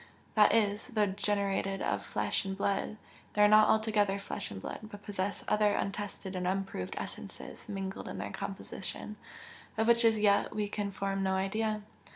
That is, though generated of flesh and blood, they are not altogether flesh and blood, but possess other untested and unproved essences mingled in their composition, of which as yet we can form no idea.